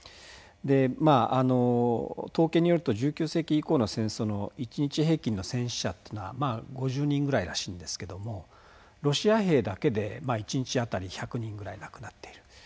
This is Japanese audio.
でまあ統計によると１９世紀以降の戦争の一日平均の戦死者っていうのはまあ５０人ぐらいらしいんですけどもロシア兵だけで一日当たり１００人ぐらい亡くなっている。